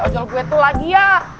ojol gue tuh lagi ya